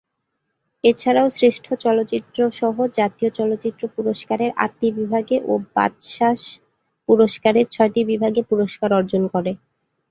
এছাড়াও শ্রেষ্ঠ চলচ্চিত্রসহ জাতীয় চলচ্চিত্র পুরস্কারের আটটি বিভাগে ও বাচসাস পুরস্কারের ছয়টি বিভাগে পুরস্কার অর্জন করে।